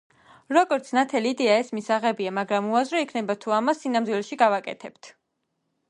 როგორც ნათელი იდეა, ეს მისაღებია, მაგრამ უაზრო იქნება, თუ ამას სინამდვილეში გავაკეთებთ.